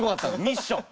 ミッション。